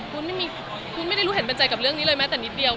คุณไม่ได้รู้เห็นเป็นใจกับเรื่องนี้เลยแม้แต่นิดเดียว